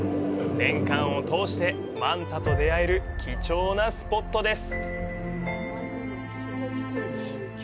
年間を通してマンタと出会える貴重なスポットです。